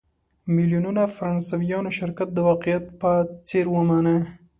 میلیونونو فرانسویانو شرکت د واقعیت په څېر ومانه.